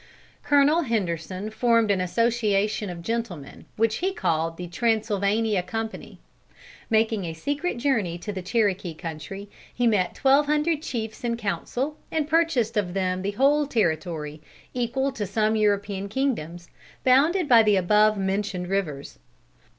Colonel Henderson formed an association of gentlemen, which he called the Transylvania Company. Making a secret journey to the Cherokee country, he met twelve hundred chiefs in council, and purchased of them the whole territory, equal to some European kingdoms, bounded by the above mentioned rivers.